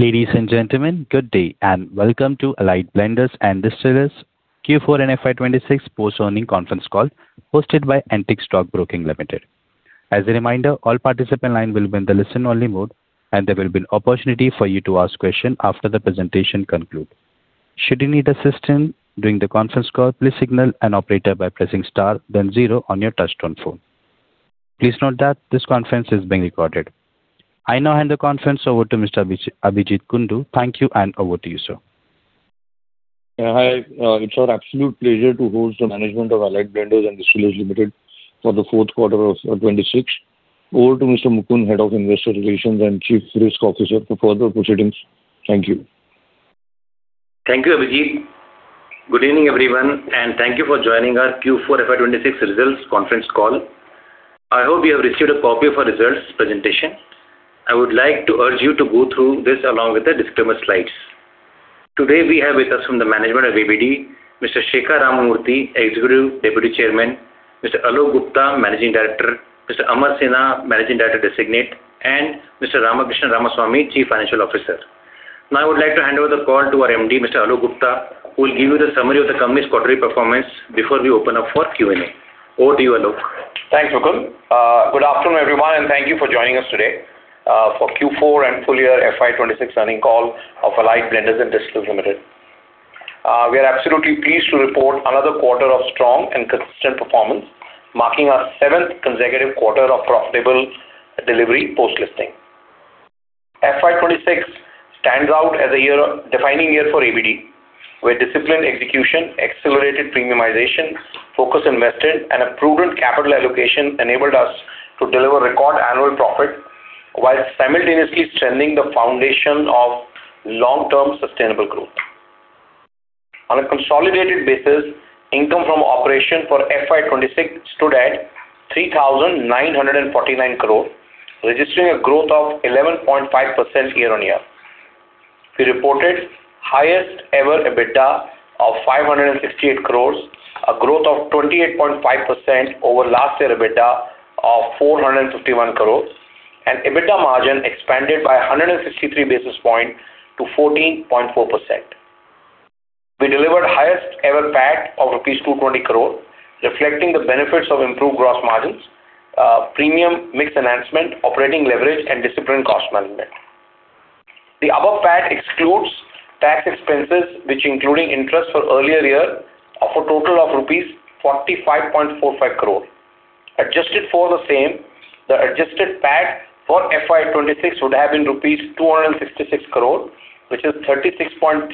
Ladies and gentlemen, good day, and welcome to Allied Blenders and Distillers Q4 and FY 2026 Post-Earning Conference Call hosted by Antique Stock Broking Limited. As a reminder, all participant line will be in the listen-only mode and there will be opportunity for you to ask question after the presentation conclude. Should you need assistance during the conference call, please signal an operator by pressing star then zero on your touchtone phone. Please note that this conference is being recorded. Now I hand the conference over to Mr. Abhijeet Kundu. Thank you, and over to you, sir. Yeah, hi. It's our absolute pleasure to host the management of Allied Blenders and Distillers Limited for the fourth quarter of 2026. Over to Mr. Mukund, Head of Investor Relations and Chief Risk Officer for further proceedings. Thank you. Thank you, Abhijeet. Good evening, everyone, thank you for joining our Q4 FY 2026 results conference call. I hope you have received a copy of our results presentation. I would like to urge you to go through this along with the disclaimer slides. Today, we have with us from the management of ABD, Mr. Shekhar Ramamurthy, Executive Deputy Chairman, Mr. Alok Gupta, Managing Director, Mr. Amar Sinha, Managing Director Designate, and Mr. Ramakrishnan Ramaswamy, Chief Financial Officer. I would like to hand over the call to our MD, Mr. Alok Gupta, who will give you the summary of the company's quarterly performance before we open up for Q&A. Over to you, Alok. Thanks, Mukund. Good afternoon, everyone, and thank you for joining us today for Q4 and full year FY 2026 earning call of Allied Blenders and Distillers Limited. We are absolutely pleased to report another quarter of strong and consistent performance, marking our seventh consecutive quarter of profitable delivery post-listing. FY 2026 stands out as a defining year for ABD, where disciplined execution, accelerated premiumization, focused investment, and a prudent capital allocation enabled us to deliver record annual profit while simultaneously strengthening the foundation of long-term sustainable growth. On a consolidated basis, income from operation for FY 2026 stood at 3,949 crore, registering a growth of 11.5% year-on-year. We reported highest ever EBITDA of 568 crore, a growth of 28.5% over last year EBITDA of 451 crore, and EBITDA margin expanded by 163 basis points to 14.4%. We delivered highest ever PAT of rupees 220 crore, reflecting the benefits of improved gross margins, premium mix enhancement, operating leverage, and disciplined cost management. The above PAT excludes tax expenses, which including interest for earlier year of a total of rupees 45.45 crore. Adjusted for the same, the adjusted PAT for FY 2026 would have been rupees 266 crore, which is 36.3%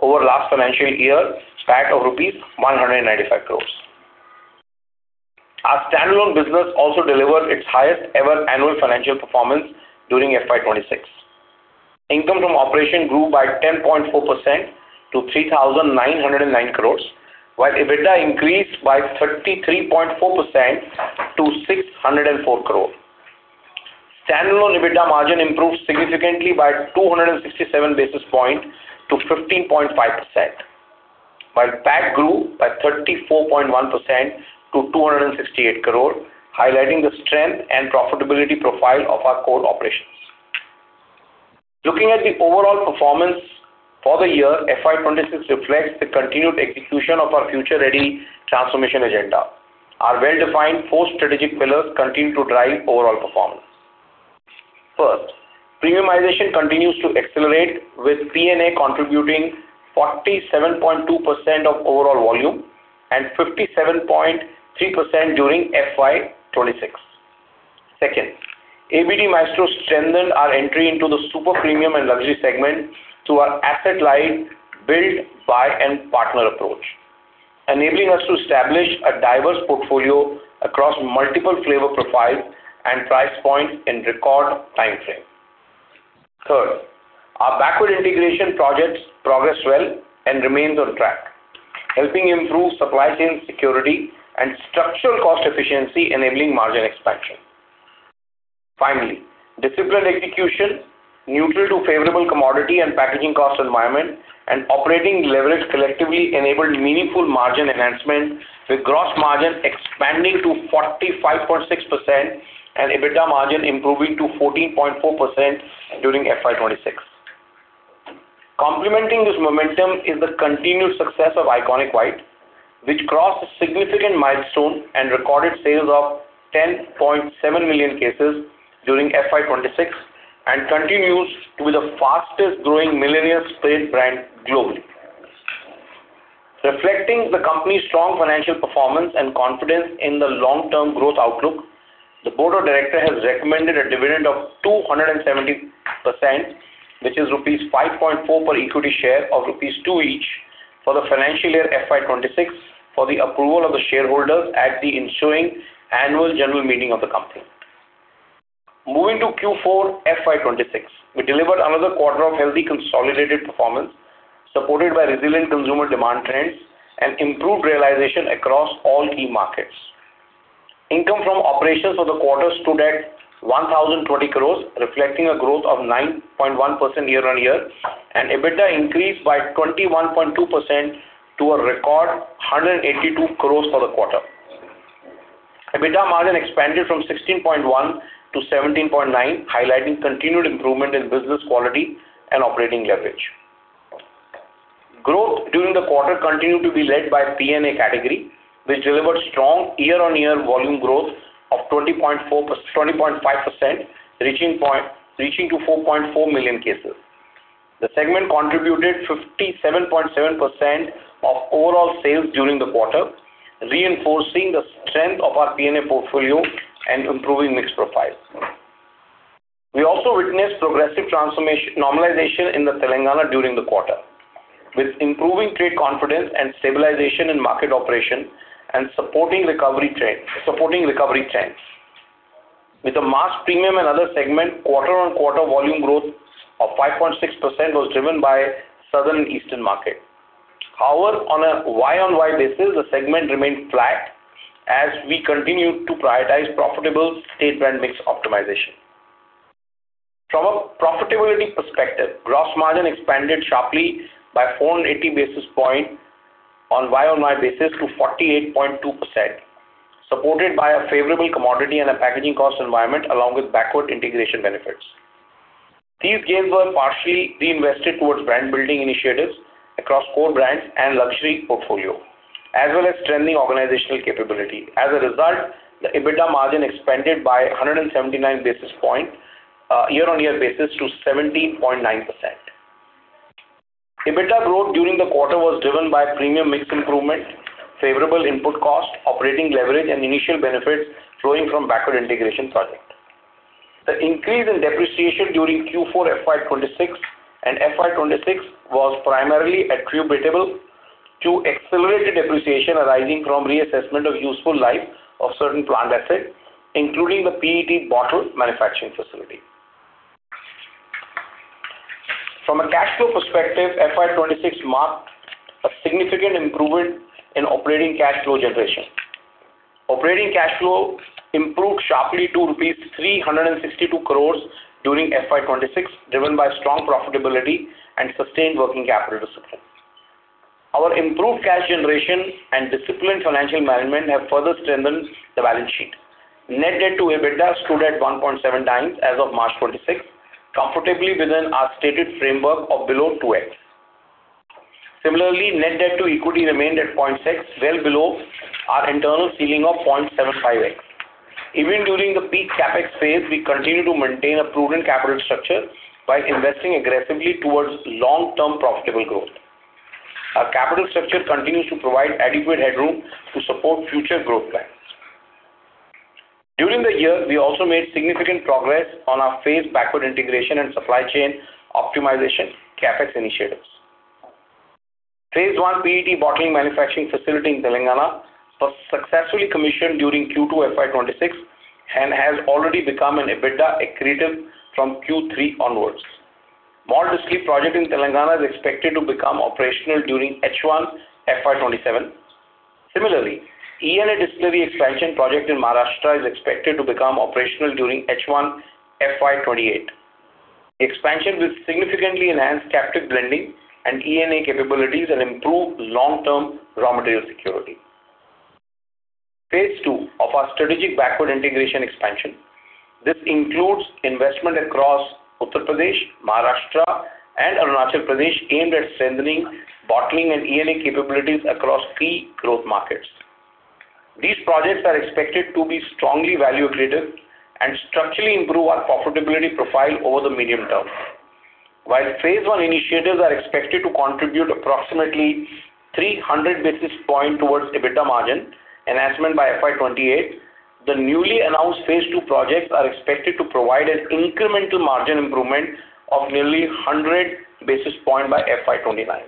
over last financial year's PAT of rupees 195 crore. Our standalone business also delivered its highest ever annual financial performance during FY 2026. Income from operation grew by 10.4% to 3,909 crores, while EBITDA increased by 33.4% to 604 crore. Standalone EBITDA margin improved significantly by 267 basis point to 15.5%, while PAT grew by 34.1% to 268 crore, highlighting the strength and profitability profile of our core operations. Looking at the overall performance for the year, FY 2026 reflects the continued execution of our future-ready transformation agenda. Our well-defined four strategic pillars continue to drive overall performance. First, premiumization continues to accelerate with P&A contributing 47.2% of overall volume and 57.3% during FY 2026. Second, ABD Maestro strengthened our entry into the super premium and luxury segment through our asset-light build, buy and partner approach, enabling us to establish a diverse portfolio across multiple flavor profiles and price points in record timeframe. Third, our backward integration projects progress well and remains on track, helping improve supply chain security and structural cost efficiency enabling margin expansion. Finally, disciplined execution, neutral to favorable commodity and packaging cost environment and operating leverage collectively enabled meaningful margin enhancement with gross margin expanding to 45.6% and EBITDA margin improving to 14.4% during FY 2026. Complementing this momentum is the continued success of ICONiQ White, which crossed a significant milestone and recorded sales of 10.7 million cases during FY 2026 and continues to be the fastest growing millionaire spirit brand globally. Reflecting the company's strong financial performance and confidence in the long-term growth outlook, the board of directors has recommended a dividend of 270%, which is rupees 5.4 per equity share of rupees 2 each for the financial year FY 2026 for the approval of the shareholders at the ensuing annual general meeting of the company. Moving to Q4 FY 2026, we delivered another quarter of healthy consolidated performance supported by resilient consumer demand trends and improved realization across all key markets. Income from operations for the quarter stood at 1,020 crores, reflecting a growth of 9.1% year-on-year, and EBITDA increased by 21.2% to a record 182 crores for the quarter. EBITDA margin expanded from 16.1 to 17.9, highlighting continued improvement in business quality and operating leverage. Growth during the quarter continued to be led by P&A category, which delivered strong year-on-year volume growth of 20.4%-20.5%, reaching to 4.4 million cases. The segment contributed 57.7% of overall sales during the quarter, reinforcing the strength of our P&A portfolio and improving mixed profile. We also witnessed progressive normalization in the Telangana during the quarter, with improving trade confidence and stabilization in market operation and supporting recovery trends. With the mass premium and other segment, quarter-on-quarter volume growth of 5.6% was driven by southern and eastern market. On a year-on-year basis, the segment remained flat as we continued to prioritize profitable state brand mix optimization. From a profitability perspective, gross margin expanded sharply by 480 basis point on YoY basis to 48.2%, supported by a favorable commodity and a packaging cost environment, along with backward integration benefits. These gains were partially reinvested towards brand-building initiatives across core brands and luxury portfolio, as well as strengthening organizational capability. As a result, the EBITDA margin expanded by 179 basis point year-on-year basis to 17.9%. EBITDA growth during the quarter was driven by premium mix improvement, favorable input cost, operating leverage, and initial benefits flowing from backward integration project. The increase in depreciation during Q4 FY 2026 and FY 2026 was primarily attributable to accelerated depreciation arising from reassessment of useful life of certain plant assets, including the PET bottle manufacturing facility. From a cash flow perspective, FY 2026 marked a significant improvement in operating cash flow generation. Operating cash flow improved sharply to rupees 362 crores during FY 2026, driven by strong profitability and sustained working capital discipline. Our improved cash generation and disciplined financial management have further strengthened the balance sheet. Net debt to EBITDA stood at 1.7x as of March 2026, comfortably within our stated framework of below 2x. Similarly, net debt to equity remained at 0.6x, well below our internal ceiling of 0.75x. Even during the peak CapEx phase, we continued to maintain a prudent capital structure by investing aggressively towards long-term profitable growth. Our capital structure continues to provide adequate headroom to support future growth plans. During the year, we also made significant progress on our phased backward integration and supply chain optimization CapEx initiatives. Phase 1 PET bottling manufacturing facility in Telangana was successfully commissioned during Q2 FY 2026 and has already become an EBITDA accretive from Q3 onwards. Malt whisky project in Telangana is expected to become operational during H1 FY 2027. Similarly, ENA distillery expansion project in Maharashtra is expected to become operational during H1 FY 2028. Expansion will significantly enhance captive blending and ENA capabilities and improve long-term raw material security. Phase 2 of our strategic backward integration expansion. This includes investment across Uttar Pradesh, Maharashtra, and Arunachal Pradesh aimed at strengthening bottling and ENA capabilities across key growth markets. These projects are expected to be strongly value accretive and structurally improve our profitability profile over the medium term. While phase one initiatives are expected to contribute approximately 300 basis points towards EBITDA margin enhancement by FY 2028, the newly announced phase 2 projects are expected to provide an incremental margin improvement of nearly 100 basis points by FY 2029.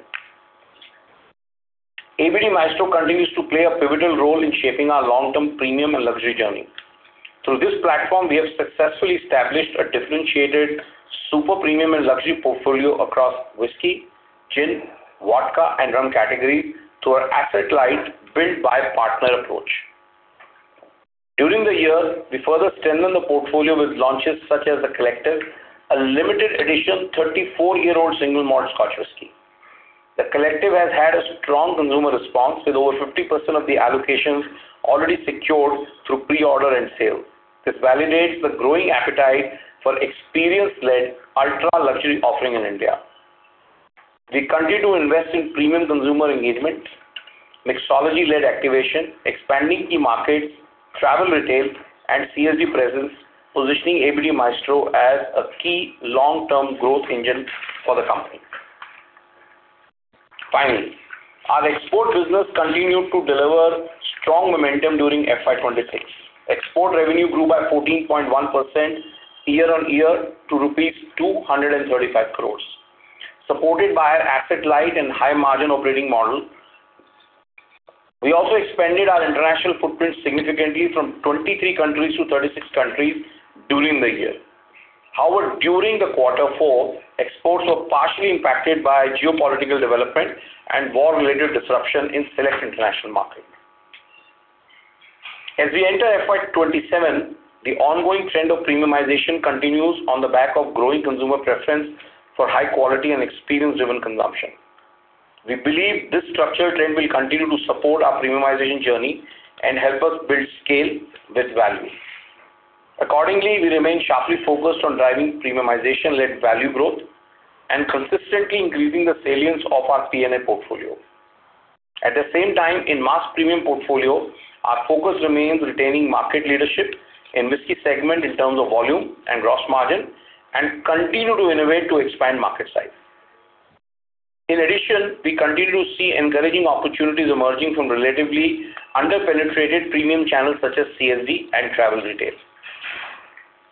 ABD Maestro continues to play a pivotal role in shaping our long-term premium and luxury journey. Through this platform, we have successfully established a differentiated super premium and luxury portfolio across whisky, gin, vodka, and rum category through our asset-light build by partner approach. During the year, we further strengthened the portfolio with launches such as The Collective, a limited edition 34-year-old single malt Scotch whisky. The Collective has had a strong consumer response with over 50% of the allocations already secured through pre-order and sale. This validates the growing appetite for experience-led ultra-luxury offering in India. We continue to invest in premium consumer engagement, mixology-led activation, expanding key markets, travel retail, and CSD presence, positioning ABD Maestro as a key long-term growth engine for the company. Our export business continued to deliver strong momentum during FY 2026. Export revenue grew by 14.1% year-on-year to rupees 235 crores, supported by our asset-light and high margin operating model. We also expanded our international footprint significantly from 23 countries to 36 countries during the year. During the quarter four, exports were partially impacted by geopolitical development and war-related disruption in select international market. As we enter FY 2027, the ongoing trend of premiumization continues on the back of growing consumer preference for high quality and experience-driven consumption. We believe this structured trend will continue to support our premiumization journey and help us build scale with value. Accordingly, we remain sharply focused on driving premiumization-led value growth and consistently increasing the salience of our P&A portfolio. At the same time, in mass premium portfolio, our focus remains retaining market leadership in Whisky segment in terms of volume and gross margin and continue to innovate to expand market size. In addition, we continue to see encouraging opportunities emerging from relatively under-penetrated premium channels such as CSD and travel retail.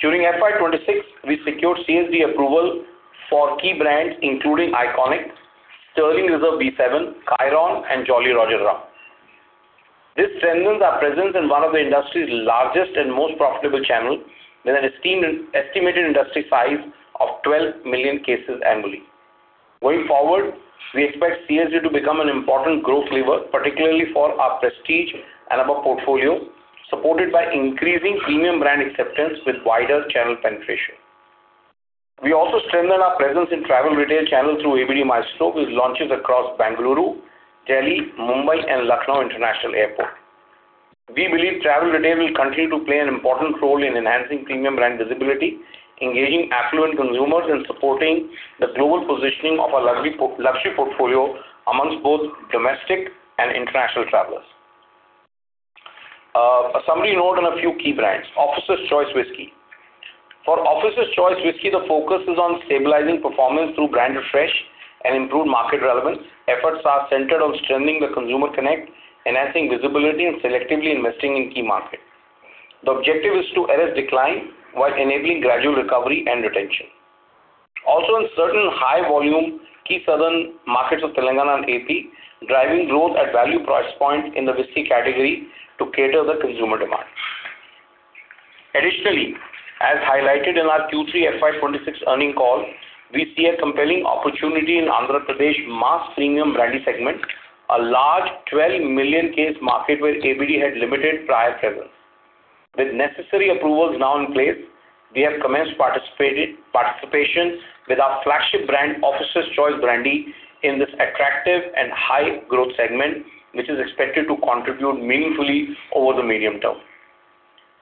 During FY 2026, we secured CSD approval for key brands, including ICONiQ, Sterling Reserve B7, Kyron, and Jolly Roger Rum. This strengthens our presence in one of the industry's largest and most profitable channels with an estimated industry size of 12 million cases annually. Going forward, we expect CSD to become an important growth lever, particularly for our prestige and above portfolio, supported by increasing premium brand acceptance with wider channel penetration. We also strengthen our presence in travel retail channel through ABD Maestro with launches across Bengaluru, Delhi, Mumbai and Lucknow International Airport. We believe travel retail will continue to play an important role in enhancing premium brand visibility, engaging affluent consumers, and supporting the global positioning of our luxury portfolio amongst both domestic and international travelers. A summary note on a few key brands. Officer's Choice whisky. For Officer's Choice whisky, the focus is on stabilizing performance through brand refresh and improved market relevance. Efforts are centered on strengthening the consumer connect, enhancing visibility, and selectively investing in key market. The objective is to arrest decline while enabling gradual recovery and retention. In certain high volume key southern markets of Telangana and AP, driving growth at value price point in the whisky category to cater the consumer demand. Additionally, as highlighted in our Q3 FY 2026 earning call, we see a compelling opportunity in Andhra Pradesh mass premium brandy segment, a large 12 million case market where ABD had limited prior presence. With necessary approvals now in place, we have commenced participation with our flagship brand, Officer's Choice Brandy, in this attractive and high growth segment, which is expected to contribute meaningfully over the medium term.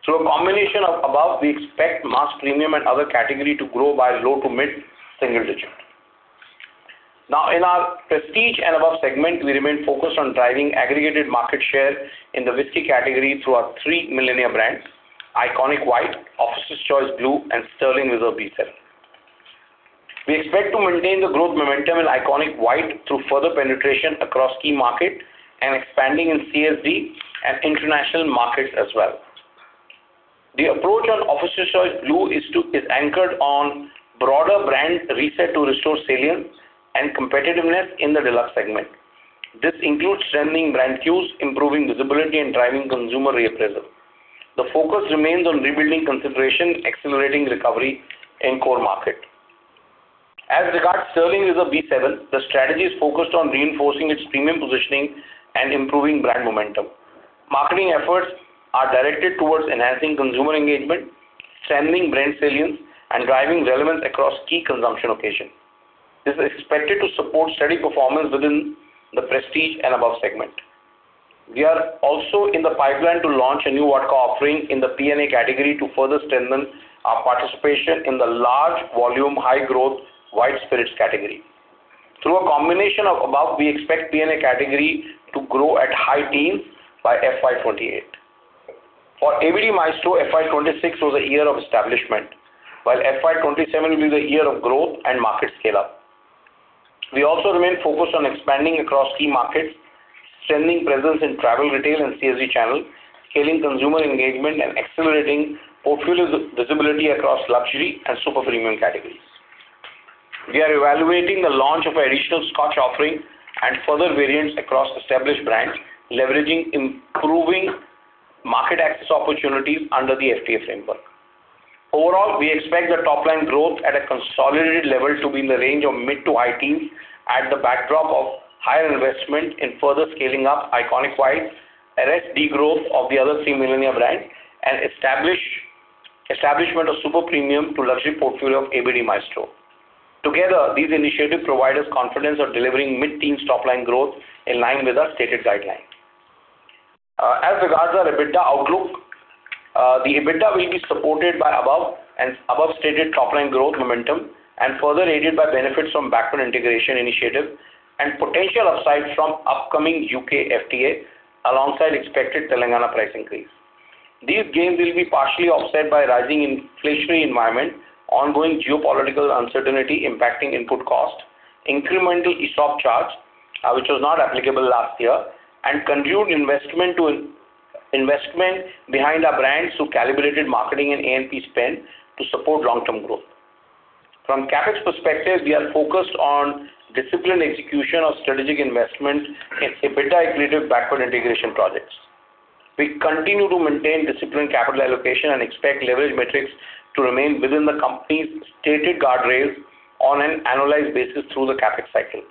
Through a combination of above, we expect mass premium and other category to grow by low to mid-single digit. Now in our Prestige & Above segment, we remain focused on driving aggregated market share in the whisky category through our three millionaire brands, ICONiQ White, Officer's Choice Blue, and Sterling Reserve B7. We expect to maintain the growth momentum in ICONiQ White through further penetration across key market and expanding in CSD and international markets as well. The approach on Officer's Choice Blue is anchored on broader brand reset to restore salience and competitiveness in the deluxe segment. This includes strengthening brand cues, improving visibility, and driving consumer reappraisal. The focus remains on rebuilding consideration, accelerating recovery in core market. As regards Sterling Reserve B7, the strategy is focused on reinforcing its premium positioning and improving brand momentum. Marketing efforts are directed towards enhancing consumer engagement, strengthening brand salience, and driving relevance across key consumption occasion. This is expected to support steady performance within the prestige and above segment. We are also in the pipeline to launch a new vodka offering in the P&A category to further strengthen our participation in the large volume, high-growth white spirits category. Through a combination of above, we expect P&A category to grow at high teens by FY 2028. For ABD Maestro, FY 2026 was a year of establishment, while FY 2027 will be the year of growth and market scale-up. We also remain focused on expanding across key markets, strengthening presence in travel retail and CSD channel, scaling consumer engagement, and accelerating portfolio visibility across luxury and super-premium categories. We are evaluating the launch of additional Scotch offering and further variants across established brands, leveraging improving market access opportunities under the FTA framework. Overall, we expect the top-line growth at a consolidated level to be in the range of mid to high teens at the backdrop of higher investment in further scaling up ICONiQ White, arrest de-growth of the other three millionaire brand, and establishment of super-premium to luxury portfolio of ABD Maestro. Together, these initiatives provide us confidence of delivering mid-teens top-line growth in line with our stated guideline. As regards our EBITDA outlook, the EBITDA will be supported by above and above-stated top-line growth momentum and further aided by benefits from backward integration initiative and potential upside from upcoming U.K. FTA alongside expected Telangana price increase. These gains will be partially offset by rising inflationary environment, ongoing geopolitical uncertainty impacting input cost, incremental ESOP charge, which was not applicable last year, and continued investment behind our brands through calibrated marketing and A&P spend to support long-term growth. From CapEx perspective, we are focused on disciplined execution of strategic investment in EBITDA-accretive backward integration projects. We continue to maintain disciplined capital allocation and expect leverage metrics to remain within the company's stated guardrails on an annualized basis through the CapEx cycle.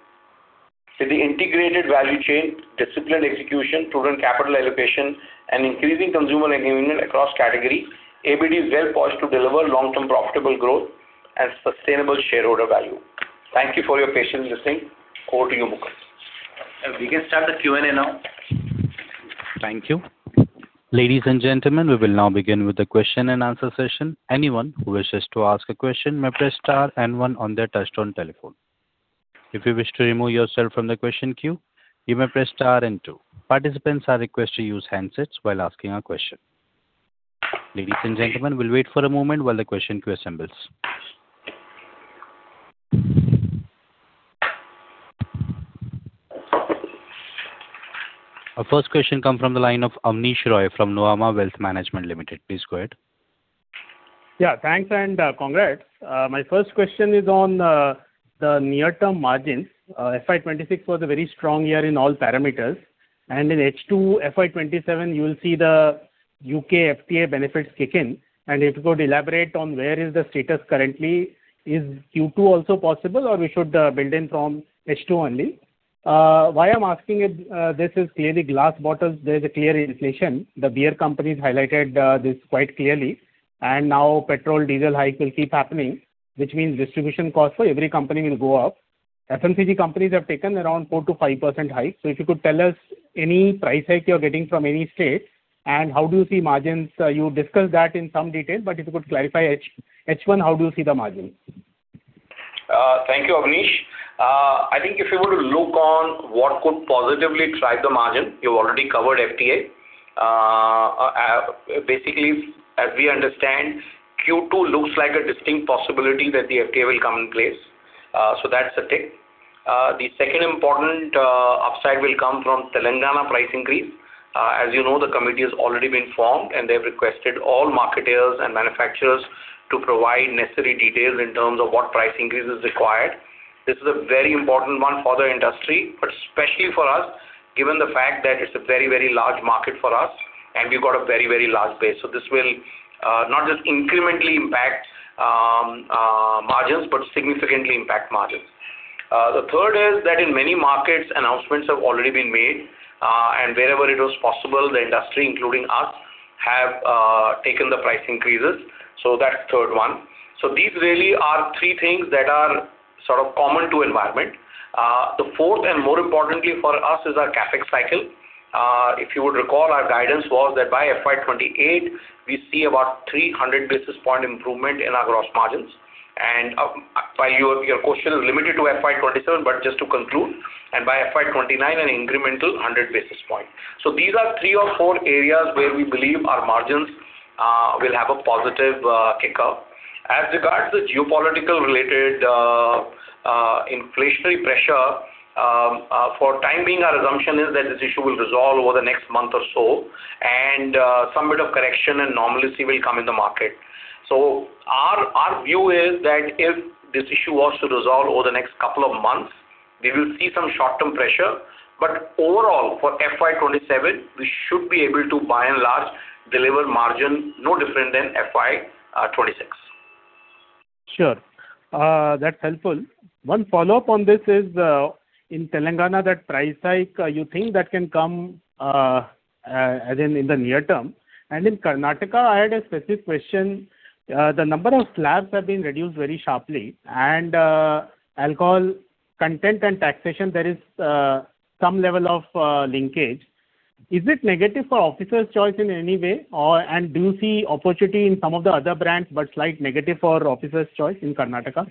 With the integrated value chain, disciplined execution, prudent capital allocation, and increasing consumer engagement across category, ABD is well poised to deliver long-term profitable growth and sustainable shareholder value. Thank you for your patient listening. Over to you, Mukund. We can start the Q&A now. Thank you. Ladies and gentlemen, we will now begin with the question-and-answer session. Anyone who wishes to ask a question may press star and one on their touchtone telephone. If you wish to remove yourself from the question queue, you may press star and two. Participants are requested to use handsets while asking a question. Ladies and gentlemen, we'll wait for a moment while the question queue assembles our first question. Our first question come from the line of Abneesh Roy from Nuvama Wealth Management Limited. Please go ahead. Yeah. Thanks, congrats. My first question is on the near-term margins. FY 2026 was a very strong year in all parameters, in H2 FY 2027, you will see the U.K. FTA benefits kick in. If you could elaborate on where is the status currently. Is Q2 also possible, or we should build in from H2 only? Why I'm asking it, this is clearly glass bottles. There's a clear inflation. The beer companies highlighted this quite clearly. Now petrol diesel hike will keep happening, which means distribution costs for every company will go up. FMCG companies have taken around 4%-5% hike. If you could tell us any price hike you're getting from any state, and how do you see margins? You discussed that in some detail, but if you could clarify H1, how do you see the margins? Thank you, Abneesh. I think if you were to look on what could positively drive the margin, you already covered FTA. Basically, as we understand, Q2 looks like a distinct possibility that the FTA will come in place. That's the thing. The second important upside will come from Telangana price increase. As you know, the committee has already been formed, and they've requested all marketers and manufacturers to provide necessary details in terms of what price increase is required. This is a very important one for the industry, but especially for us, given the fact that it's a very, very large market for us, and we've got a very, very large base. This will not just incrementally impact margins, but significantly impact margins. The third is that in many markets, announcements have already been made, and wherever it was possible, the industry, including us, have taken the price increases. That's third one. These really are three things that are sort of common to environment. The fourth and more importantly for us is our CapEx cycle. If you would recall, our guidance was that by FY 2028 we see about 300 basis point improvement in our gross margins. By your question limited to FY 2027, but just to conclude, and by FY 2029 an incremental 100 basis point. These are three or four areas where we believe our margins will have a positive kick up. As regards to geopolitical related inflationary pressure, for time being, our assumption is that this issue will resolve over the next month or so, and some bit of correction and normalcy will come in the market. Our, our view is that if this issue was to resolve over the next couple of months, we will see some short-term pressure. Overall, for FY 2027, we should be able to, by and large, deliver margin no different than FY 2026. Sure. That's helpful. One follow-up on this is, in Telangana, that price hike, you think that can come as in the near term? In Karnataka, I had a specific question. The number of slabs have been reduced very sharply, and alcohol content and taxation, there is some level of linkage. Is it negative for Officer's Choice in any way or and do you see opportunity in some of the other brands, but slight negative for Officer's Choice in Karnataka?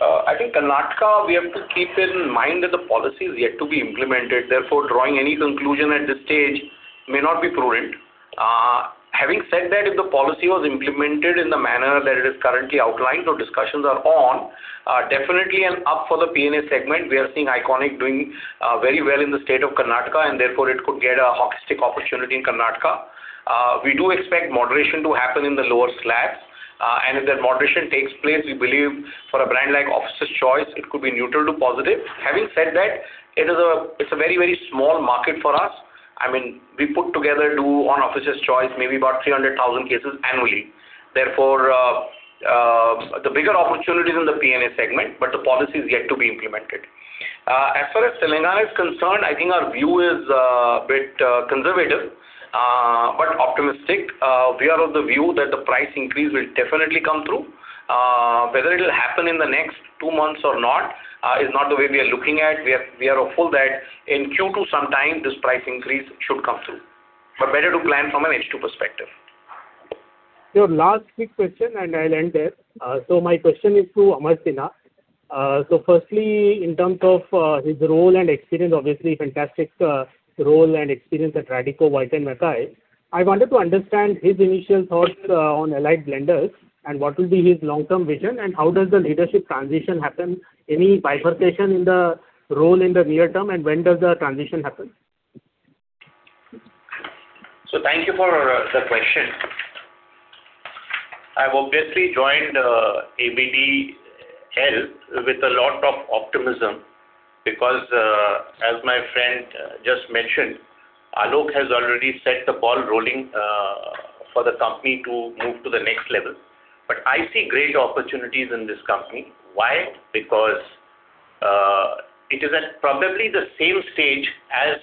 I think Karnataka, we have to keep in mind that the policy is yet to be implemented, therefore drawing any conclusion at this stage may not be prudent. Having said that, if the policy was implemented in the manner that it is currently outlined or discussions are on, definitely an up for the P&A segment. We are seeing ICONiQ White doing very well in the state of Karnataka, and therefore it could get a hockey stick opportunity in Karnataka. We do expect moderation to happen in the lower slabs. If that moderation takes place, we believe for a brand like Officer's Choice, it could be neutral to positive. Having said that, it is a, it's a very, very small market for us. I mean, we put together do on Officer's Choice maybe about 300,000 cases annually. The bigger opportunity is in the P&A segment, but the policy is yet to be implemented. As far as Telangana is concerned, I think our view is a bit conservative, but optimistic. We are of the view that the price increase will definitely come through. Whether it'll happen in the next two months or not, is not the way we are looking at. We are hopeful that in Q2 sometime this price increase should come through. Better to plan from an H2 perspective. Your last quick question, and I'll end there. My question is to Amar Sinha. Firstly, in terms of his role and experience, obviously fantastic role and experience at Radico Khaitan. I wanted to understand his initial thoughts on Allied Blenders and what will be his long-term vision, and how does the leadership transition happen? Any bifurcation in the role in the near term, and when does the transition happen? Thank you for the question. I've obviously joined ABDL with a lot of optimism because, as my friend just mentioned, Alok has already set the ball rolling for the company to move to the next level. I see great opportunities in this company. Why? Because it is at probably the same stage as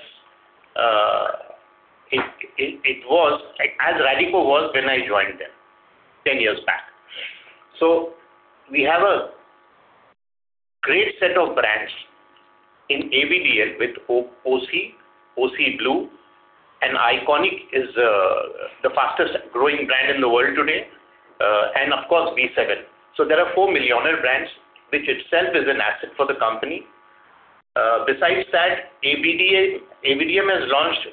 Radico was when I joined them 10 years back. We have a great set of brands in ABDL with OC, OC Blue, and ICONiQ is the fastest growing brand in the world today, and of course B7. There are 4 millionaire brands, which itself is an asset for the company. Besides that, ABD Maestro has launched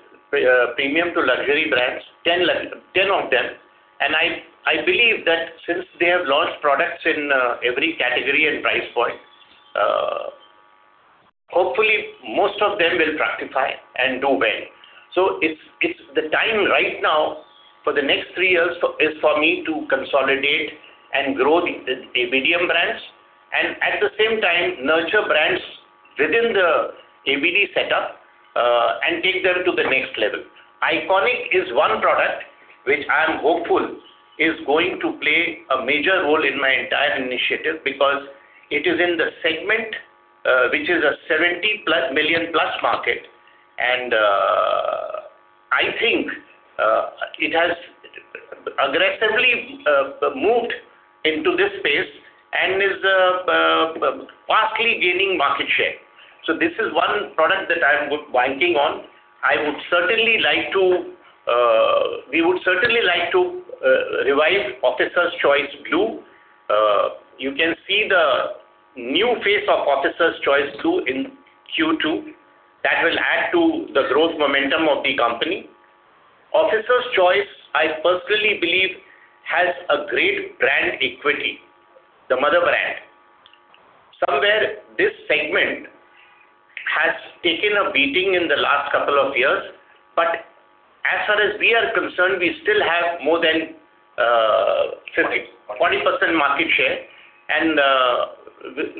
premium to luxury brands, 10 of them. I believe that since they have launched products in every category and price point, hopefully most of them will fructify and do well. It's the time right now for the next three years is for me to consolidate and grow the ABD Maestro brands and at the same time nurture brands within the ABD setup and take them to the next level. ICONiQ is one product which I am hopeful is going to play a major role in my entire initiative because it is in the segment which is a 70 million plus market. I think it has aggressively moved into this space and is rapidly gaining market share. This is one product that I'm banking on. We would certainly like to revive Officer's Choice Blue. You can see the new face of Officer's Choice Blue in Q2. That will add to the growth momentum of the company. Officer's Choice, I personally believe, has a great brand equity, the mother brand. Somewhere this segment has taken a beating in the last couple of years, but as far as we are concerned, we still have more than 40% market share and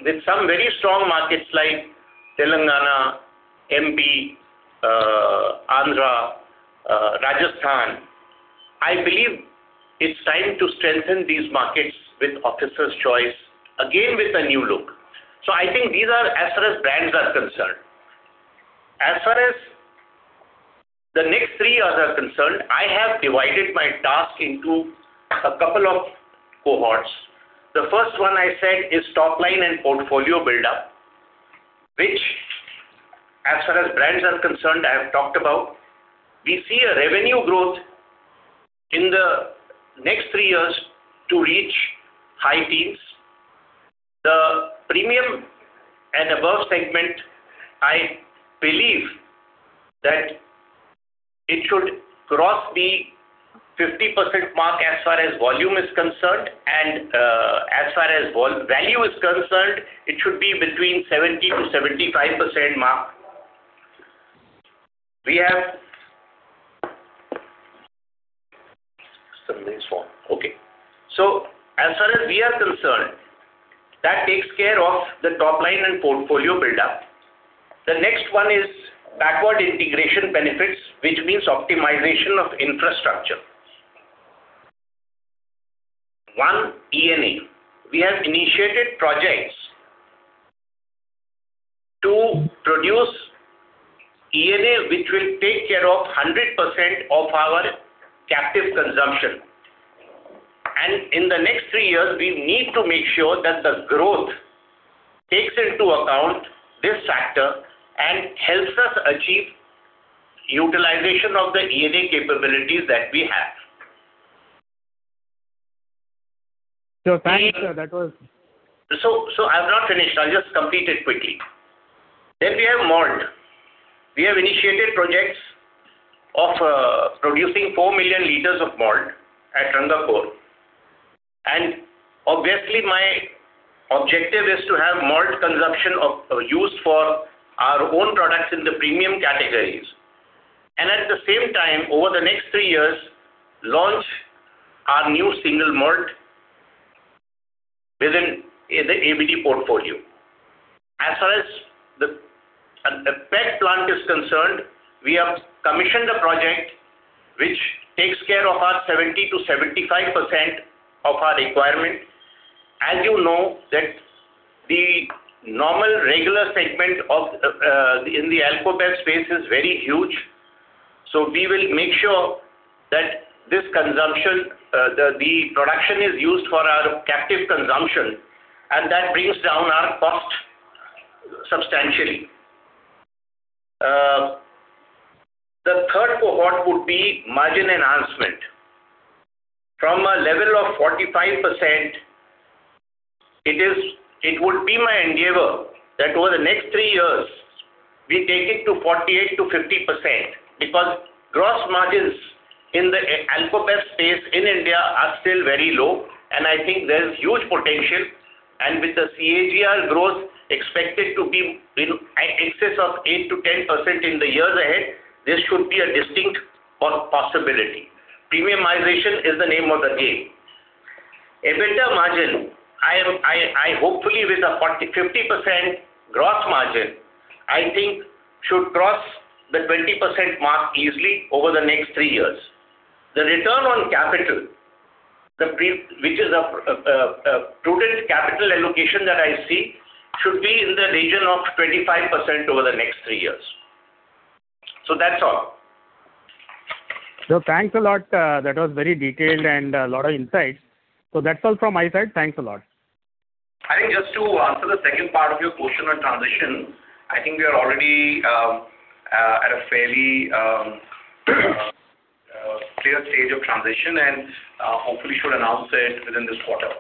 with some very strong markets like Telangana, MP, Andhra, Rajasthan. I believe it's time to strengthen these markets with Officer's Choice again with a new look. I think these are as far as brands are concerned. As far as the next three years are concerned, I have divided my task into a couple of cohorts. The first one I said is top line and portfolio buildup, which as far as brands are concerned, I have talked about. We see a revenue growth in the next three years to reach high teens. The premium and above segment, I believe that it should cross the 50% mark as far as volume is concerned, and as far as value is concerned, it should be between 70%-75% mark. Something's wrong. Okay. As far as we are concerned, that takes care of the top line and portfolio buildup. The next one is backward integration benefits, which means optimization of infrastructure. One, ENA. We have initiated projects to produce ENA, which will take care of 100% of our captive consumption. In the next three years, we need to make sure that the growth takes into account this factor and helps us achieve utilization of the ENA capabilities that we have. Thank you, sir. I've not finished. I'll just complete it quickly. We have malt. We have initiated projects of producing 4 million liters of malt at Rangapur. Obviously, my objective is to have malt consumption of use for our own products in the premium categories. At the same time, over the next three years, launch our new single malt within the ABD portfolio. As far as the PET plant is concerned, we have commissioned a project which takes care of our 70%-75% of our requirement. As you know that the normal regular segment of in the alcobev space is very huge. We will make sure that this consumption, the production is used for our captive consumption, and that brings down our cost substantially. The third cohort would be margin enhancement. From a level of 45%, it would be my endeavor that over the next three years we take it to 48%-50% because gross margins in the alcobev space in India are still very low, and I think there's huge potential. With the CAGR growth expected to be in excess of 8%-10% in the years ahead, this should be a distinct possibility. Premiumization is the name of the game. EBITDA margin, I hopefully with a 40%-50% gross margin, I think should cross the 20% mark easily over the next three years. The return on capital Which is a prudent capital allocation that I see should be in the region of 25% over the next three years. That's all. Thanks a lot. That was very detailed and a lot of insights. That's all from my side. Thanks a lot. I think just to answer the second part of your question on transition, I think we are already at a fairly clear stage of transition and hopefully should announce it within this quarter.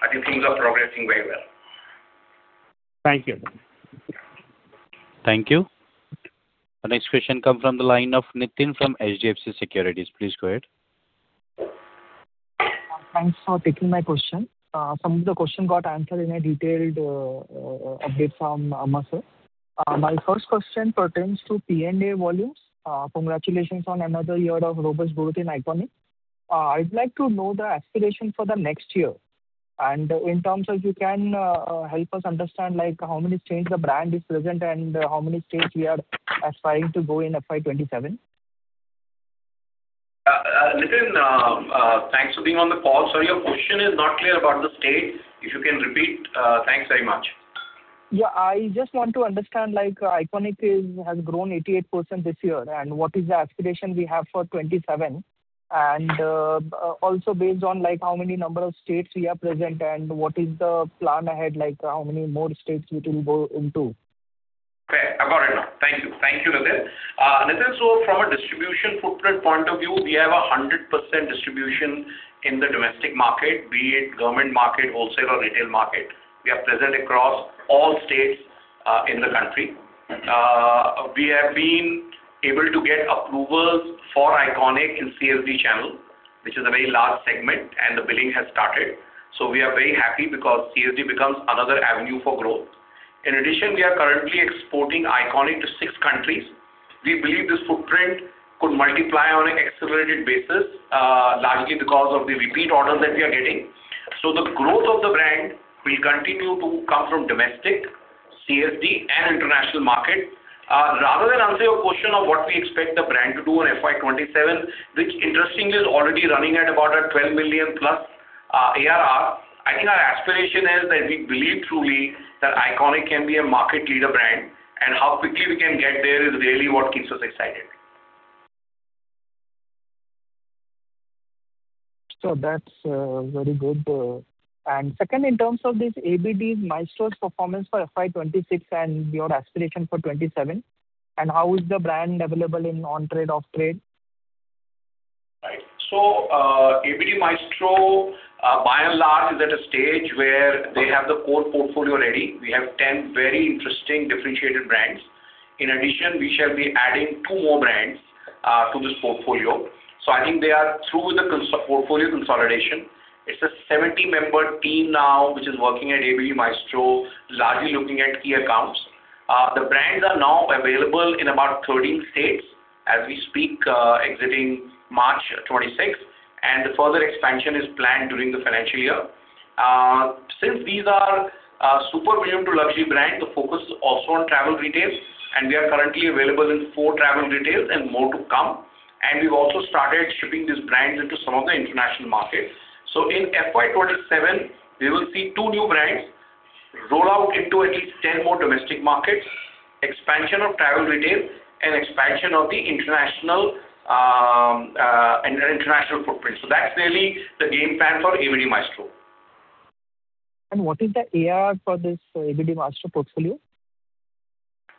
I think things are progressing very well. Thank you. Thank you. Our next question come from the line of Nitin from HDFC Securities. Please go ahead. Thanks for taking my question. Some of the question got answered in a detailed update from Amar, sir. My first question pertains to P&A volumes. Congratulations on another year of robust growth in ICONiQ. I'd like to know the aspiration for the next year. In terms of you can help us understand, like how many states the brand is present and how many states we are aspiring to go in FY 2027? Nitin, thanks for being on the call. Sorry, your question is not clear about the state. If you can repeat, thanks very much. Yeah, I just want to understand, like ICONiQ has grown 88% this year, and what is the aspiration we have for 2027. Also based on like how many number of states we are present and what is the plan ahead, like how many more states we can go into? Okay, I got it now. Thank you. Thank you, Nitin. Nitin, from a distribution footprint point of view, we have a 100% distribution in the domestic market, be it government market, wholesale or retail market. We are present across all states in the country. We have been able to get approvals for ICONiQ in CSD channel, which is a very large segment, and the billing has started. We are very happy because CSD becomes another avenue for growth. In addition, we are currently exporting ICONiQ to six countries. We believe this footprint could multiply on an accelerated basis, largely because of the repeat orders that we are getting. The growth of the brand will continue to come from domestic, CSD and international market. Rather than answer your question of what we expect the brand to do on FY 2027, which interestingly is already running at about 12 million+ ARR, I think our aspiration is that we believe truly that ICONiQ can be a market leader brand, and how quickly we can get there is really what keeps us excited. That's very good. Second, in terms of this ABD Maestro's performance for FY 2026 and your aspiration for 2027, and how is the brand available in on-trade, off-trade? Right. ABD Maestro, by and large, is at a stage where they have the core portfolio ready. We have 10 very interesting differentiated brands. In addition, we shall be adding two more brands to this portfolio. I think they are through the portfolio consolidation. It's a 70-member team now, which is working at ABD Maestro, largely looking at key accounts. The brands are now available in about 13 states as we speak, exiting March 26, and further expansion is planned during the financial year. Since these are super premium to luxury brand, the focus is also on travel retails, and we are currently available in four travel retails and more to come. We've also started shipping these brands into some of the international markets. In FY 2027, we will see two new brands roll out into at least 10 more domestic markets, expansion of travel retail and expansion of the international footprint. That's really the game plan for ABD Maestro. What is the ARR for this ABD Maestro portfolio?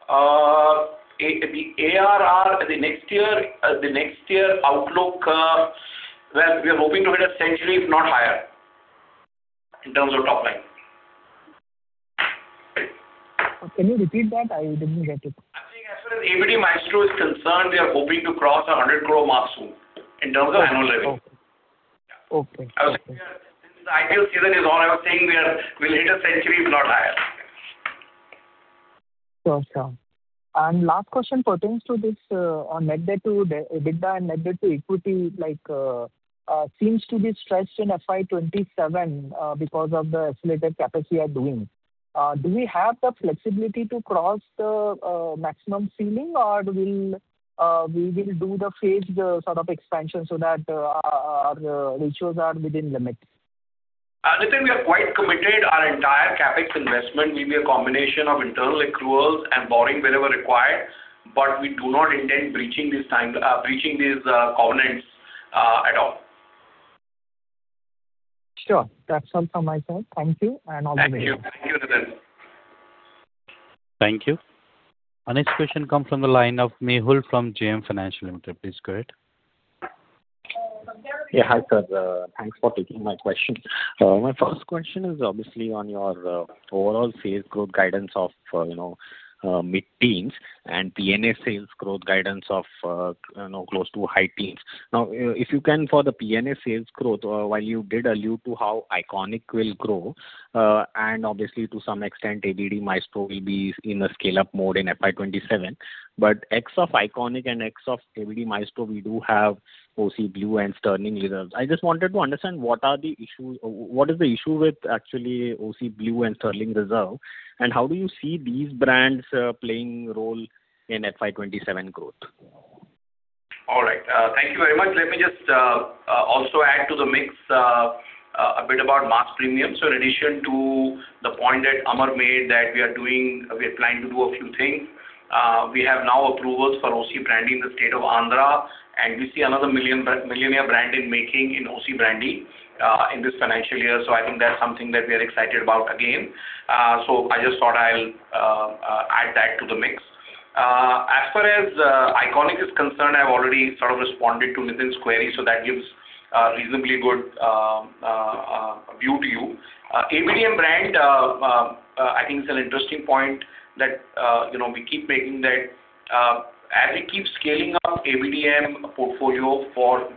The ARR, the next year, the next year outlook, well, we are hoping to hit 100, if not higher, in terms of top line. Right. Can you repeat that? I didn't get it. I'm saying as far as ABD Maestro is concerned, we are hoping to cross a 100 crore mark soon in terms of annual revenue. Okay. Okay. Since the ideal season is on, I was saying we are, we'll hit a century, if not higher. Sure, sure. Last question pertains to this on net debt to EBITDA and net debt to equity, like, seems to be stretched in FY 2027 because of the accelerated CapEx we are doing. Do we have the flexibility to cross the maximum ceiling or do we will do the phased sort of expansion so that our ratios are within limit? Nitin, we are quite committed. Our entire CapEx investment will be a combination of internal accruals and borrowing wherever required. We do not intend breaching these covenants at all. Sure. That's all from my side. Thank you and all the best. Thank you. Thank you, Nitin. Thank you. Our next question comes from the line of Mehul from JM Financial Limited. Please go ahead. Yeah, hi, sir. Thanks for taking my question. My first question is obviously on your overall sales growth guidance of, you know, mid-teens and P&A sales growth guidance of, you know, close to high teens. If you can for the P&A sales growth, while you did allude to how ICONiQ will grow, and obviously to some extent ABD Maestro will be in a scale-up mode in FY 2027. Ex of ICONiQ and ex of ABD Maestro, we do have OC Blue and Sterling Reserve. I just wanted to understand what is the issue with actually OC Blue and Sterling Reserve, and how do you see these brands playing role in FY 2027 growth? Thank you very much. Let me just also add to the mix a bit about mass premium. In addition to the point that Amar made that we are planning to do a few things, we have now approvals for OC Brandy in the state of Andhra, and we see another millionaire brand in making in OC Brandy in this financial year. I think that's something that we are excited about again. I just thought I'll add that to the mix. As far as ICONiQ is concerned, I've already sort of responded to Nitin's query, so that gives a reasonably good view to you. ABDM brand, I think it's an interesting point that, you know, we keep making that, as we keep scaling up ABDM portfolio for 1%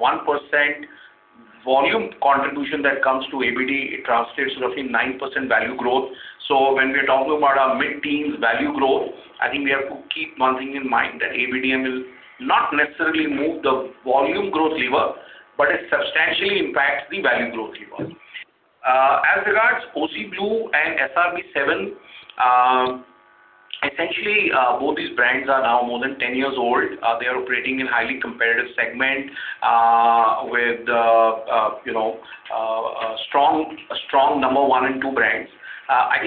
volume contribution that comes to ABD, it translates roughly 9% value growth. When we're talking about our mid-teens value growth, I think we have to keep one thing in mind, that ABDM will not necessarily move the volume growth lever, but it substantially impacts the value growth lever. As regards OC Blue and SR B7, essentially, both these brands are now more than 10 years old. They are operating in highly competitive segment, with, you know, strong number one and two brands. I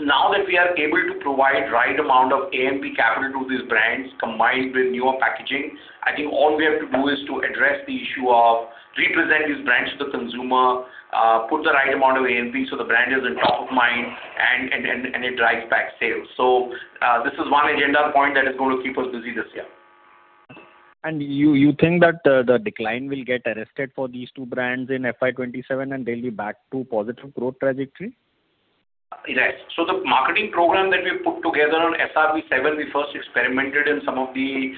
think now that we are able to provide right amount of A&P capital to these brands combined with newer packaging, I think all we have to do is to address the issue of represent these brands to the consumer, put the right amount of A&P so the brand is on top of mind and it drives back sales. This is one agenda point that is going to keep us busy this year. You think that the decline will get arrested for these two brands in FY 2027 and they'll be back to positive growth trajectory? Yes. The marketing program that we've put together on SR B7, we first experimented in some of the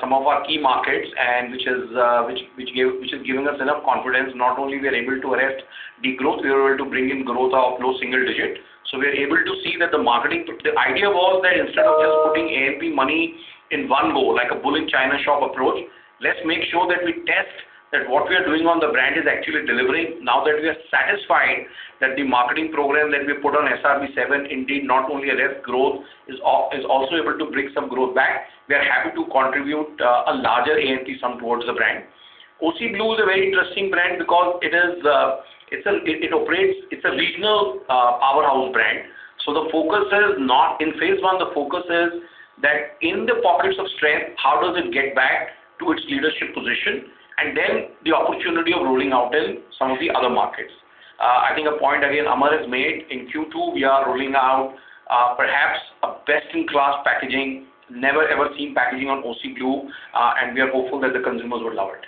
some of our key markets and which has given us enough confidence, not only we are able to arrest the growth, we are able to bring in growth of low single digit. We are able to see that. The idea was that instead of just putting A&P money in one go, like a bull in China shop approach, let's make sure that we test that what we are doing on the brand is actually delivering. Now that we are satisfied that the marketing program that we put on SR B7 indeed not only arrest growth, is also able to bring some growth back, we are happy to contribute a larger A&P sum towards the brand. OC Blue is a very interesting brand because it operates, it's a regional powerhouse brand. The focus is that in the pockets of strength, how does it get back to its leadership position, and then the opportunity of rolling out in some of the other markets. I think a point again, Amar has made, in Q2, we are rolling out perhaps a best-in-class packaging, never ever seen packaging on OC Blue, and we are hopeful that the consumers will love it.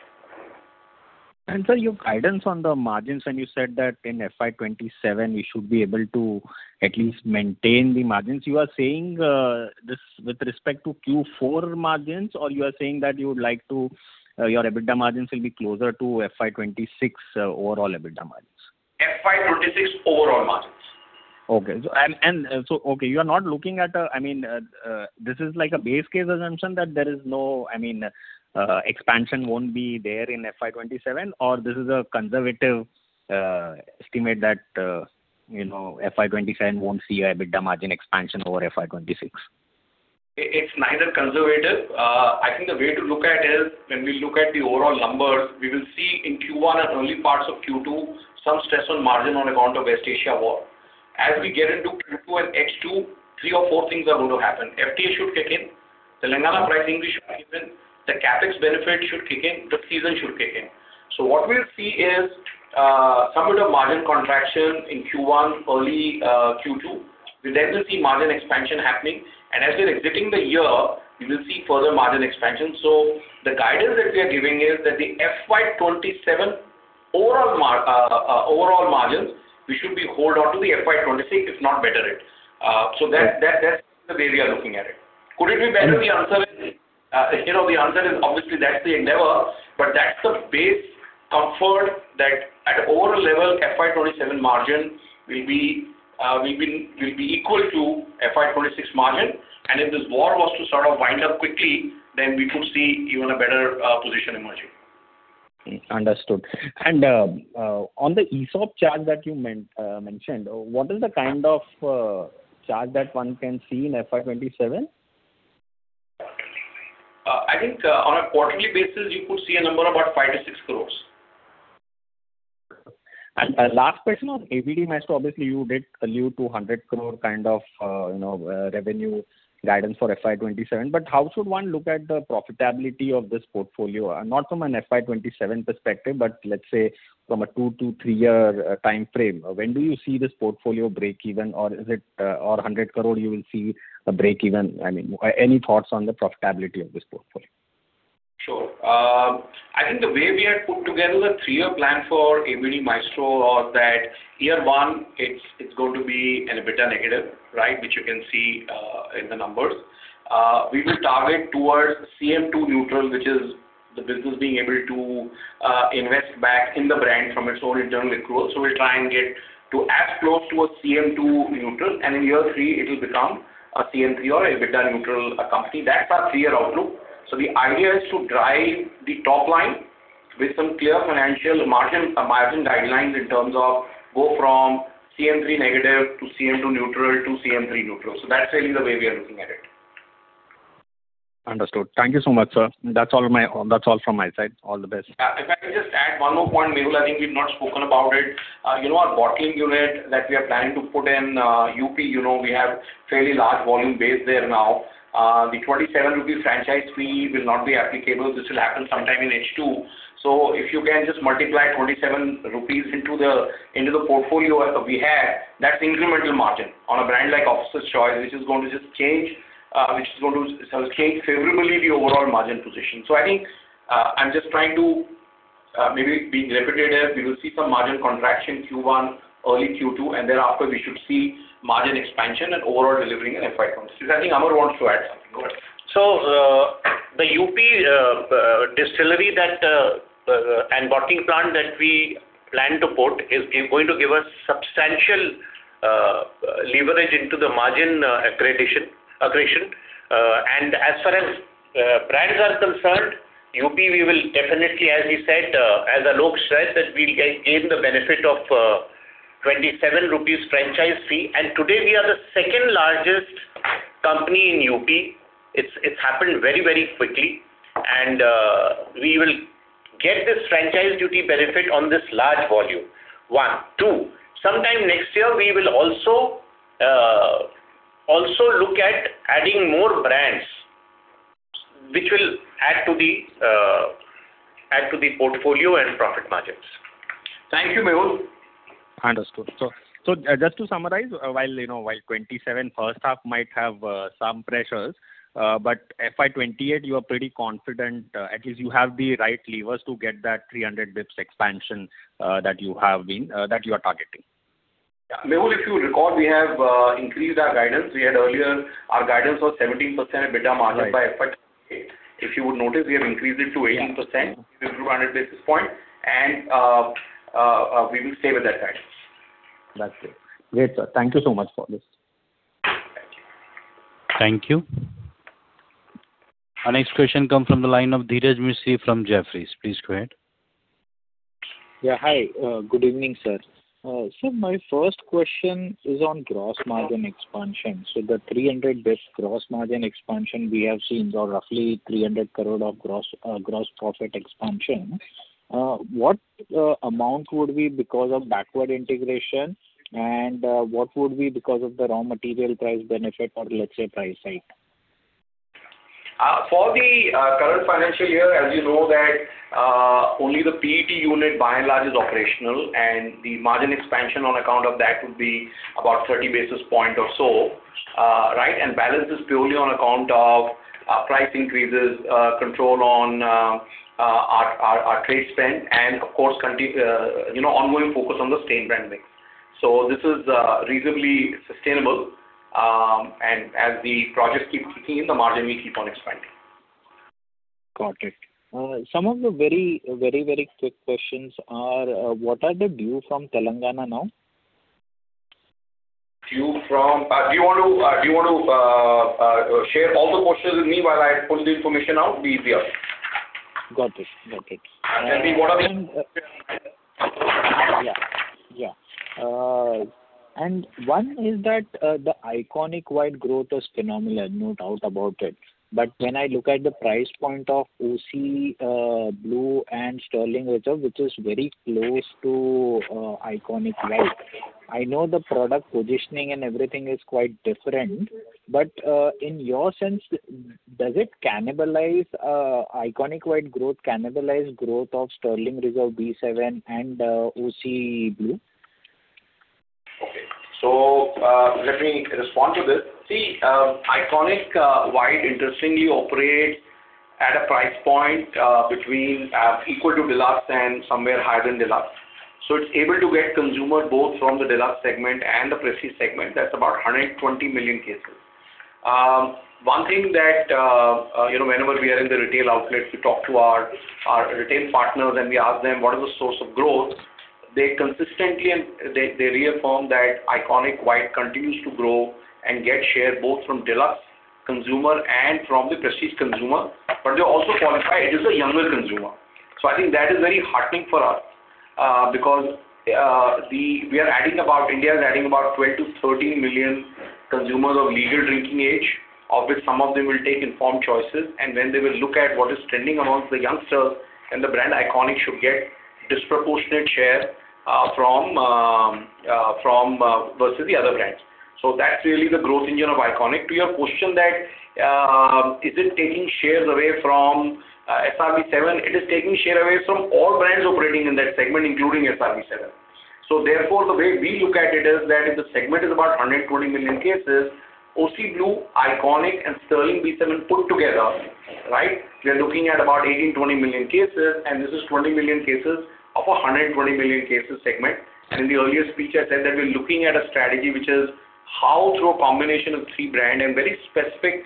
Sir, your guidance on the margins when you said that in FY 2027 you should be able to at least maintain the margins, you are saying this with respect to Q4 margins, or you are saying that you would like to your EBITDA margins will be closer to FY 2026 overall EBITDA margins? FY 2026 overall margins. Okay. You are not looking at a, I mean, this is like a base case assumption that there is no, I mean, expansion won't be there in FY 2027, or this is a conservative estimate that, you know, FY 2027 won't see a EBITDA margin expansion over FY 2026? It's neither conservative. I think the way to look at is when we look at the overall numbers, we will see in Q1 and early parts of Q2 some stress on margin on account of West Asia war. As we get into Q2 and H2, three or four things are going to happen. FTA should kick in, the Telangana pricing should kick in, the CapEx benefit should kick in, drip season should kick in. What we'll see is, somewhat of margin contraction in Q1, early Q2. We then will see margin expansion happening, and as we're exiting the year, you will see further margin expansion. The guidance that we are giving is that the FY 2027 overall margins, we should be hold on to the FY 2026, if not better it. That's the way we are looking at it. Could it be better? The answer is, you know, the answer is obviously that's the endeavor, that's the base comfort that at overall level, FY 2027 margins will be equal to FY 2026 margin. If this war was to sort of wind up quickly, then we could see even a better, position emerging. Understood. On the ESOP charge that you mentioned, what is the kind of charge that one can see in FY 2027? I think, on a quarterly basis, you could see a number about 5 crores-6 crores. A last question on ABD Maestro. Obviously, you did allude to 100 crore kind of, you know, revenue guidance for FY 2027, but how should one look at the profitability of this portfolio? Not from an FY 2027 perspective, but let's say from a two to three year time frame. When do you see this portfolio break even, or is it 100 crore you will see a break even? I mean, any thoughts on the profitability of this portfolio? Sure. I think the way we had put together the three-year plan for ABD Maestro was that year one, it's going to be EBITDA negative, right? Which you can see in the numbers. We will target towards CM2 neutral, which is the business being able to invest back in the brand from its own internal growth. We'll try and get to as close to a CM2 neutral, and in year three it'll become a CM3 or EBITDA neutral company. That's our three-year outlook. The idea is to drive the top line with some clear financial margin guidelines in terms of go from CM3 negative to CM2 neutral to CM3 neutral. That's really the way we are looking at it. Understood. Thank you so much, sir. That's all from my side. All the best. Yeah. If I could just add one more point, Mehul, I think we've not spoken about it. You know, our bottling unit that we are planning to put in, UP, you know, we have fairly large volume base there now. The 27 rupees franchise fee will not be applicable. This will happen sometime in H2. If you can just multiply 27 rupees into the portfolio as of we have, that's incremental margin on a brand like Officer's Choice, which is going to just change, which is going to change favorably the overall margin position. I think, I'm just trying to, maybe be repetitive. We will see some margin contraction Q1, early Q2, and then after we should see margin expansion and overall delivering in FY 2028. I think Amar wants to add something. Go ahead. The UP distillery that and bottling plant that we plan to put is going to give us substantial leverage into the margin accretion. As far as brands are concerned, UP, we will definitely, as we said, as Alok said, that we gain the benefit of 27 rupees franchise fee. Today, we are the second-largest company in UP. It's happened very, very quickly. We will get this franchise duty benefit on this large volume. Sometime next year, we will also look at adding more brands, which will add to the portfolio and profit margins. Thank you, Mehul. Understood. Just to summarize, while, you know, while 2027 first half might have some pressures, FY 2028 you are pretty confident, at least you have the right levers to get that 300 basis points expansion that you are targeting. Yeah. Mehul, if you recall, we have increased our guidance. Our guidance was 17% EBITDA margin. Right. -by FY 2028. If you would notice, we have increased it to 18%, 200 basis points, and, we will stay with that guidance. That's it. Great, sir. Thank you so much for this. Thank you. Thank you. Thank you. Our next question comes from the line of Dhiraj Mistry from Jefferies. Please go ahead. Yeah, hi. Good evening, sir. My first question is on gross margin expansion. The 300 basis points gross margin expansion we have seen, or roughly 300 crore of gross profit expansion, what amount would be because of backward integration, and what would be because of the raw material price benefit or let's say price hike? For the current financial year, as you know that, only the PET unit by and large is operational, and the margin expansion on account of that would be about 30 basis point or so, right? Balance is purely on account of price increases, control on our trade spend, and of course, you know, ongoing focus on the state branding. This is reasonably sustainable. As the projects keep kicking in, the margin will keep on expanding. Got it. Some of the very quick questions are, what are the due from Telangana now? Do you want to share all the questions with me while I pull the information out? It would be easier. Got it. Got it. Then we go to. Yeah. Yeah. One is that, the ICONiQ White growth is phenomenal, no doubt about it. When I look at the price point of OC Blue and Sterling Reserve, which is very close to ICONiQ White. I know the product positioning and everything is quite different, but in your sense, does it cannibalize ICONiQ White growth, cannibalize growth of Sterling Reserve B7 and OC Blue? Okay. Let me respond to this. ICONiQ White interestingly operates at a price point between equal to Deluxe and somewhere higher than Deluxe. It's able to get consumer both from the Deluxe segment and the Prestige segment. That's about 120 million cases. One thing that, you know, whenever we are in the retail outlets, we talk to our retail partners, and we ask them, what is the source of growth? They consistently and they reaffirm that ICONiQ White continues to grow and get share both from Deluxe consumer and from the Prestige consumer. They also qualify it as a younger consumer. I think that is very heartening for us, because India is adding about 12-13 million consumers of legal drinking age, of which some of them will take informed choices. When they will look at what is trending amongst the youngsters, then the brand ICONiQ should get disproportionate share from versus the other brands. That's really the growth engine of ICONiQ. To your question that is it taking shares away from SR B7? It is taking share away from all brands operating in that segment, including Sterling Reserve B7. Therefore, the way we look at it is that if the segment is about 120 million cases, OC Blue, ICONiQ, and Sterling Reserve B7 put together, right? We are looking at about 18 million, 20 million cases, this is 20 million cases of a 120 million cases segment. In the earlier speech, I said that we're looking at a strategy which is how through a combination of three brand and very specific,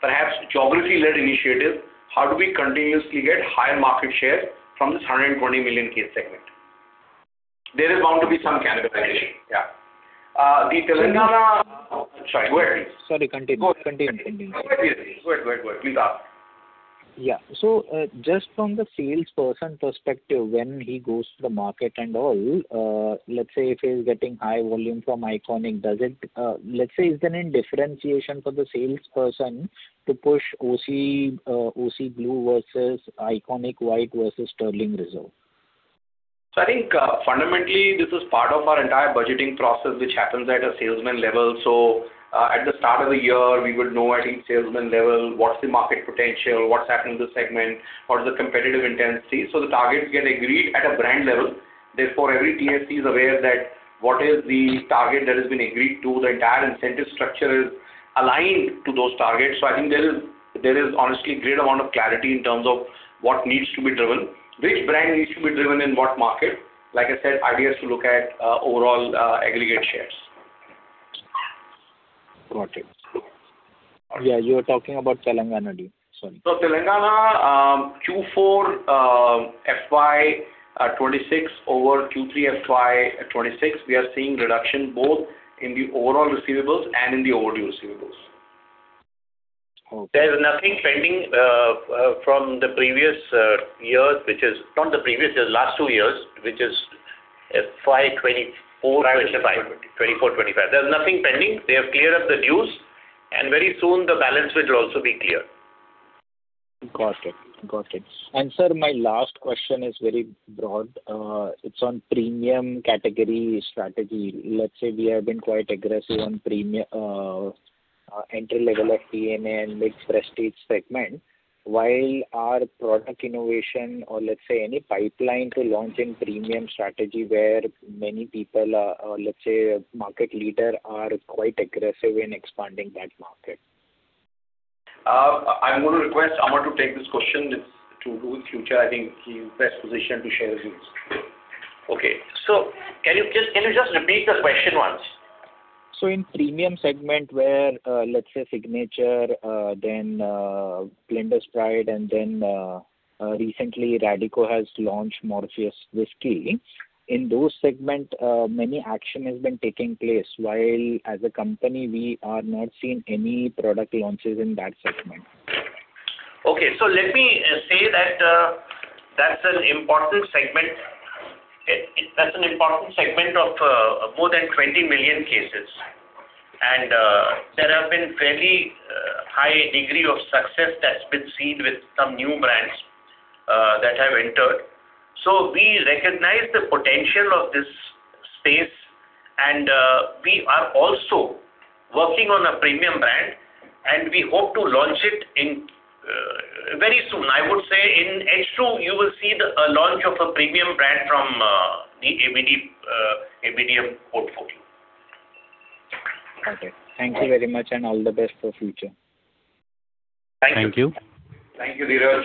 perhaps geography-led initiative, how do we continuously get higher market share from this 120 million case segment. There is bound to be some cannibalization. Yeah. Sorry. Sorry, go ahead please. Sorry, continue. Go ahead. Continue, continue. Go ahead please. Go ahead. Please ask. Yeah. Just from the salesperson perspective, when he goes to the market and all, let's say, if he's getting high volume from ICONiQ. Let's say, is there any differentiation for the salesperson to push OC Blue versus ICONiQ White versus Sterling Reserve? I think, fundamentally, this is part of our entire budgeting process, which happens at a salesman level. At the start of the year, we would know at each salesman level what's the market potential, what's happening in the segment, what is the competitive intensity. The targets get agreed at a brand level. Therefore, every TSE is aware that what is the target that has been agreed to. The entire incentive structure is aligned to those targets. I think there is honestly great amount of clarity in terms of what needs to be driven, which brand needs to be driven in what market. Like I said, ideas to look at overall aggregate shares. Got it. Yeah, you were talking about Telangana deal. Sorry. Telangana, Q4 FY 2026 over Q3 FY 2026, we are seeing reduction both in the overall receivables and in the overdue receivables. Okay. There's nothing pending from the previous years, not the previous years, last two years, which is FY 2024, 2025. Right. 2024, 2025. There's nothing pending. They have cleared up the dues, and very soon the balance will also be cleared. Got it. Got it. Sir, my last question is very broad. It's on premium category strategy. Let's say we have been quite aggressive on entry-level FPN and mid-prestige segment. While our product innovation or let's say any pipeline to launch in premium strategy where many people are, or let's say market leader are quite aggressive in expanding that market. I'm gonna request Amar to take this question to do in future. I think he's best positioned to share his views. Okay. Can you just repeat the question once? In premium segment where, let's say Signature, then, Blenders Pride, and then, recently Radico has launched Morpheus whisky. In those segment, many action has been taking place, while as a company we are not seeing any product launches in that segment. Okay. Let me say that that's an important segment. That's an important segment of more than 20 million cases. There have been fairly high degree of success that's been seen with some new brands that have entered. We recognize the potential of this space, and we are also working on a premium brand, and we hope to launch it in very soon. I would say in H2, you will see the launch of a premium brand from the ABD, ABDM portfolio. Got it. Thank you very much and all the best for future. Thank you. Thank you. Thank you, Dhiraj.